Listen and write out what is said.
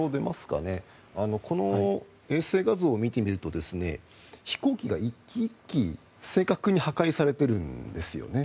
この衛星画像を見てみると飛行機が１機１機正確に破壊されてるんですよね。